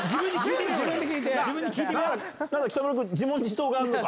北村君、自問自答があるのか？